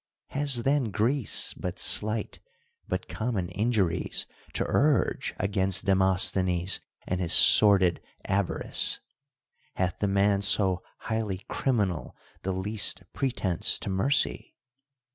Has then Greece but slight, but common in juries to urge against Demosthenes and his sor did avarice ? Ilath the man so highly criminal the least pretense to mercy?